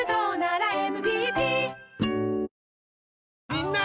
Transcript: みんな！